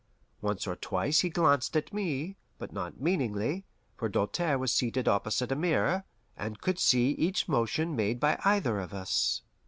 Once or twice he glanced at me, but not meaningly, for Doltaire was seated opposite a mirror, and could see each motion made by either of us.